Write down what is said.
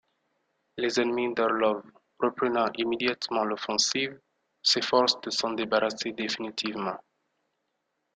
Les ennemis d'Orlov, reprenant immédiatement l'offensive, s'efforcent de s'en débarrasser définitivement.